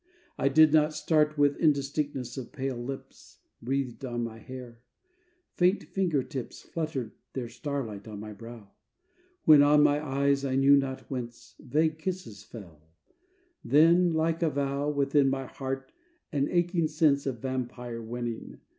I did not start When indistinctness of pale lips Breathed on my hair; faint finger tips Fluttered their starlight on my brow; When on my eyes, I knew not whence, Vague kisses fell: then, like a vow, Within my heart, an aching sense Of vampire winning.